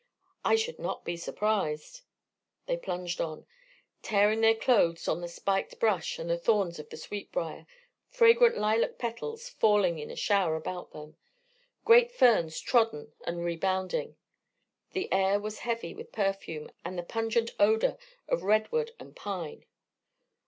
"I should not be surprised." They plunged on, tearing their clothes on the spiked brush and the thorns of the sweetbrier, fragrant lilac petals falling in a shower about them, great ferns trodden and rebounding. The air was heavy with perfume and the pungent odour of redwood and pine.